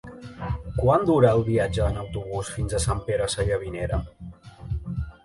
Quant dura el viatge en autobús fins a Sant Pere Sallavinera?